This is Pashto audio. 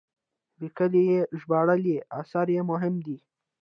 لیکلي یا ژباړلي اثار یې مهم دي.